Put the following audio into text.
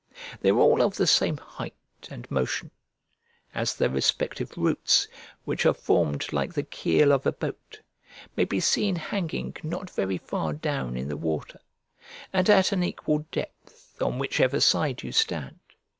They are all of the same height and motion; as their respective roots, which are formed like the keel of a boat, may be seen hanging not very far down in the water, and at an equal depth, on whichever side you stand.